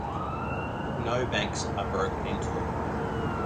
No banks are broken into.